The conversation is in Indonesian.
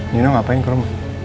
nino ngapain ke rumah